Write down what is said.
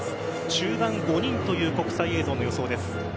中盤５人という国際映像の予想です。